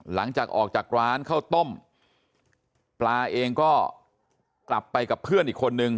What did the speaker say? หลังจากออกจากร้านข้าวต้มปลาเองก็กลับไปกับเพื่อนอีกคนนึง